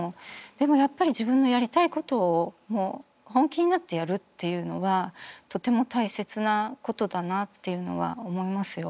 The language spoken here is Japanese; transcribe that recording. でもやっぱり自分のやりたいことを本気になってやるっていうのはとても大切なことだなっていうのは思いますよ。